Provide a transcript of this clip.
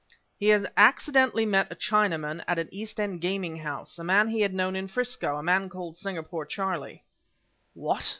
"He accidentally met a Chinaman at an East End gaming house, a man he had known in Frisco a man called Singapore Charlie " "What!